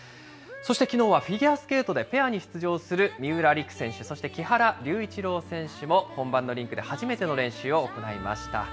そしてきのうはフィギュアスケートでペアに出場する三浦璃来選手、そして木原龍一選手も、本番のリンクで初めての練習を行いました。